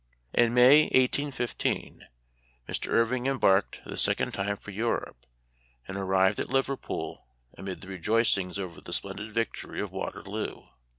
74 Memoir of Washington Irving. In May, 1815, Mr. Irving embarked the second time for Europe, and arrived at Liverpool amid the rejoicings over the splendid victory of Waterloo.